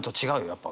やっぱ。